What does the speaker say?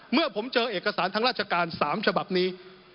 เมื่อผมเจอเอกสารทางราชการ๓ฉบับนี้